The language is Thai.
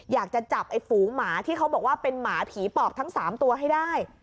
อยากจะจับไอ้ฝูงหมาที่เขาบอกว่าเป็นหมาผีปอบทั้ง๓ตัวให้ได้